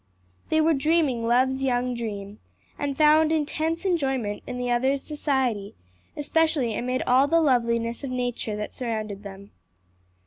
They were dreaming love's young dream, and found intense enjoyment each in the other's society, especially amid all the loveliness of nature that surrounded them.